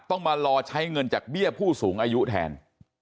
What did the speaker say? ต้องมารอใช้เงินจากเบี้ยผู้สูงอายุแทน